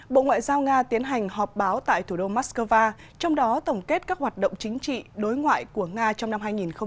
bộ ngoại giao nga tiến hành họp báo tại thủ đô moscow trong đó tổng kết các hoạt động chính trị đối ngoại của nga trong năm hai nghìn một mươi chín